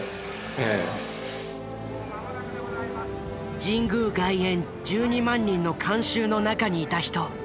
神宮外苑１２万人の観衆の中にいた人。